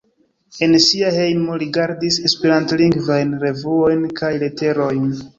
En sia hejmo li gardis esperantlingvajn revuojn kaj leterojn.